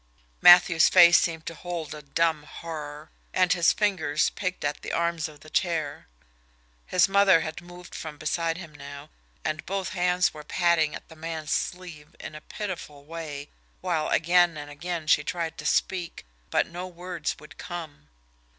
Matthews' face seemed to hold a dumb horror, and his fingers picked at the arms of the chair. His mother had moved from beside him now, and both her hands were patting at the man's sleeve in a pitiful way, while again and again she tried to speak, but no words would come.